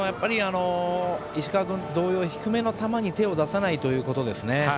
石川君と同様、低めの球に手を出さないということですね。